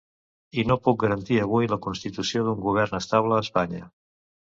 I no puc garantir avui la constitució d’un govern estable a Espanya.